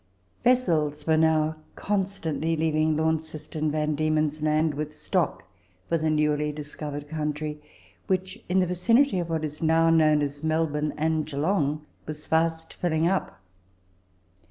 Vessels were now constantly leaving Launceston, Van Diemen's Land, with stock 162 Letters from Victorian Pioneers. for the newly discovered country, which, in the vicinity of what is now known as Melbourne and G eelong, was fast filling up.